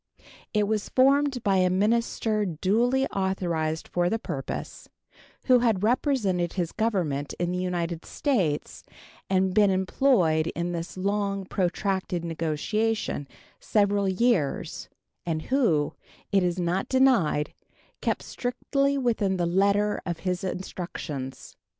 It was formed by a minister duly authorized for the purpose, who had represented his Government in the United States and been employed in this long protracted negotiation several years, and who, it is not denied, kept strictly within the letter of his instructions.